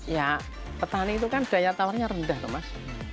ya petani itu kan daya tawarnya rendah loh mas